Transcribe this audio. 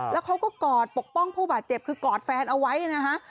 แล้วเขาก็กอดปกป้องผู้บาดเจ็บคือกอดแฟนเอาไว้นะฮะ